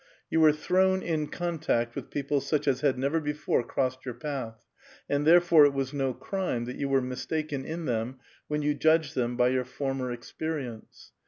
You were thrown in contact with people such as had never before crossed your path, and therefore it was no crime that you were mistaken in them when you judged them by your former experience.